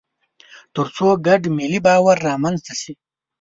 تر څو ګډ ملي باور رامنځته شي.